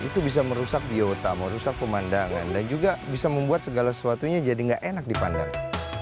itu bisa merusak biota merusak pemandangan dan juga bisa membuat segala sesuatunya jadi nggak enak dipandang